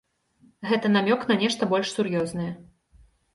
Гэта намёк на нешта больш сур'ёзнае.